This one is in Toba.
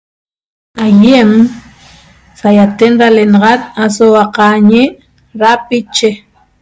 Aiem sayaten da l'enaxat aso huaqajñi dapiche